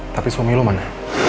tapi suami lu mana